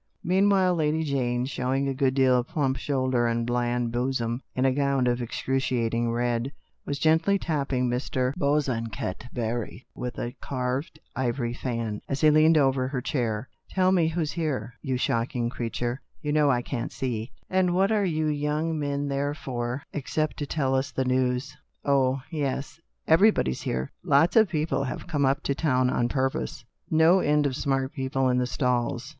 Meanwhile Lady Jane, showing a good deal of plump shoulder and bland bosom, in a gown of excruciating red, was gently tap ping Mr. Bosanquet Barry with a carved ivory fan, as he leaned over her chair. "Tell me who's here, you shocking crea ture," she gurgled. " You know I can't see. And what are you young men there for except to tell us the news ?" "Oh, yes. Everybody's here. Lots of people have come up to town on purpose. No end of smart people in the stalls.